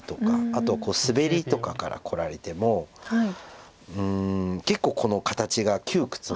あとスベリとかからこられてもうん結構この形が窮屈なんですよね。